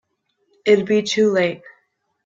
It'd be too late.